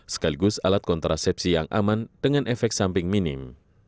sekaligus alat kontrasepsi yang aman dengan efek samping minim